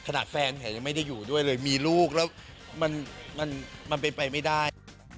ขนาดแฟนแขกยังไม่ได้อยู่ด้วยเลยมีลูกแล้วมันไปไม่ได้